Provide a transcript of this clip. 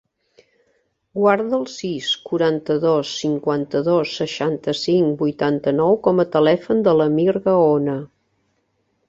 Guarda el sis, quaranta-dos, cinquanta-dos, seixanta-cinc, vuitanta-nou com a telèfon de l'Amir Gaona.